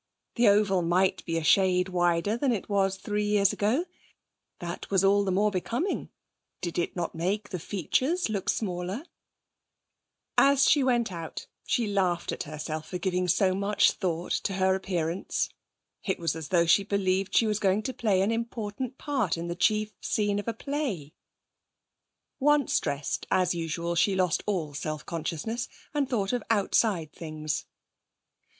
The oval might be a shade wider than it was three years ago; that was all the more becoming; did it not make the features look smaller? As she went out she laughed at herself for giving so much thought to her appearance. It was as though she believed she was going to play an important part in the chief scene of a play. Once dressed, as usual she lost all self consciousness, and thought of outside things.